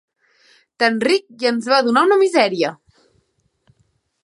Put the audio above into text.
Tan ric i ens va donar una misèria!